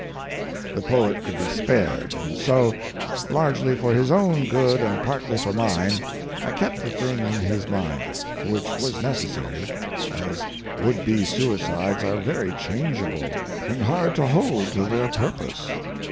The poet could be spared, and so, largely for his own good and partly for mine, I kept the thing in his mind, which was necessary, as would be suicides are very changeable and hard to hold to their purpose.